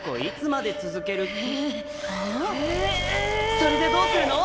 それでどうするの？